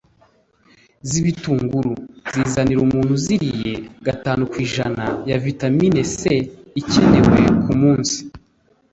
z'ibitunguru, zizanira umuntu uziriye gatanu kw'ijana ya vitamine c ikenewe ku munsi